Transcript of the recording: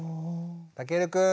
たけるくん